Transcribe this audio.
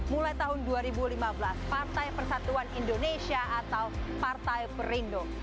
mulai tahun dua ribu lima belas partai persatuan indonesia atau partai perindo